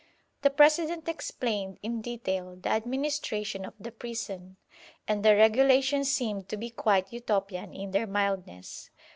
The President explained in detail the administration of the prison, and the regulations seemed to be quite Utopian in their mildness.